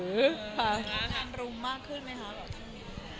งานรุมมากขึ้นไหมคะแบบช่วงนี้